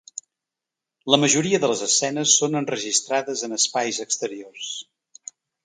La majoria de les escenes són enregistrades en espais exteriors.